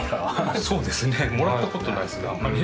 そうですねもらったことないですねあんまり。